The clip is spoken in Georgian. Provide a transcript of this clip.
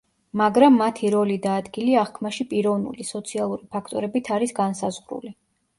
მაგრამ მათი როლი და ადგილი აღქმაში პიროვნული, სოციალური ფაქტორებით არის განსაზღვრული.